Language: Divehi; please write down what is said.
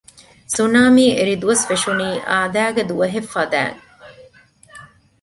ސުނާމީ އެރި ދުވަސް ފެށުނީ އާދައިގެ ދުވަހެއް ފަދައިން